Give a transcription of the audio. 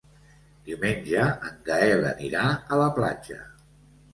Diumenge en Gaël anirà a la platja.